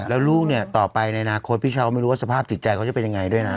แล้วลูกเนี่ยต่อไปในอนาคตพี่เช้าก็ไม่รู้ว่าสภาพจิตใจเขาจะเป็นยังไงด้วยนะ